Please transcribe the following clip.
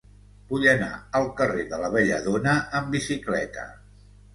Vull anar al carrer de la Belladona amb bicicleta.